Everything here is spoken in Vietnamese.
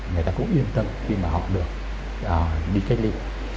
người ta cũng yên tâm khi mà họ được bị cách lị